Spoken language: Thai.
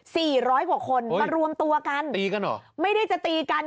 ร้อยกว่าคนมารวมตัวกันตีกันเหรอไม่ได้จะตีกัน